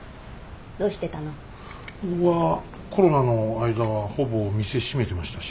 どうしてたの？はコロナの間はほぼ店閉めてましたし。